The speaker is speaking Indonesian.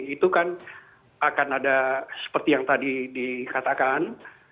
itu kan akan ada seperti yang tadi dikatakan